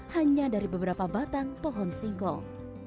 hanya dari beberapa batang pohon singkong